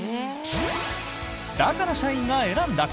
だから社員が選んだ！